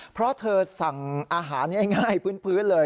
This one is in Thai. เพราะเธอสั่งอาหารง่ายพื้นเลย